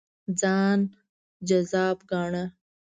ځان جذاب ګاڼه.